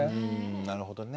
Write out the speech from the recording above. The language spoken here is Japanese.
なるほどね。